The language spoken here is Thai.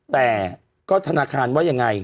แต่ก็ธนาคารว่ายังไง